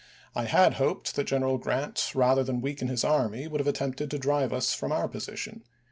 I had hoped that General Grant rather than weaken his army would have attempted to drive us from our position.